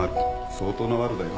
相当なワルだよ。